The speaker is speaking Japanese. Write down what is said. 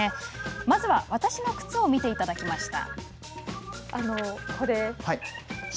まずは私の靴を見ていただきました。